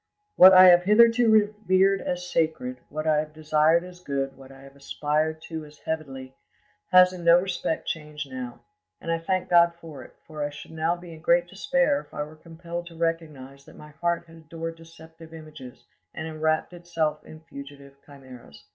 "What I have hitherto revered as sacred, what I have desired as good what I have aspired to as heavenly, has in no respect changed now. And I thank God for it, for I should now be in great despair if I were compelled to recognise that my heart had adored deceptive images and enwrapped itself in fugitive chimeras.